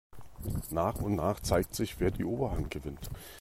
Nach und nach zeigt sich, wer die Oberhand gewinnt.